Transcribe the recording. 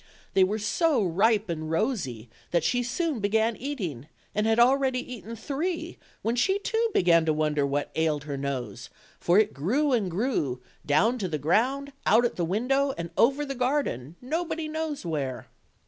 They were so ripe and rosy that she soon began eating, and had already eaten three when she too began to wonder what ailed her nose, for it grew and grew, down to the ground, out at the window, and over the garden, nobody knows where.